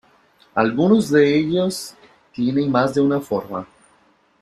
Algunos de ellos tienen más de una forma.